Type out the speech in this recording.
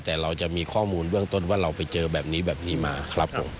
แต่เราจะมีข้อมูลเบื้องต้นว่าเราไปเจอแบบนี้แบบนี้มาครับผม